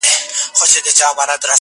نن به واخلي د تاریخ کرښي نومونه!!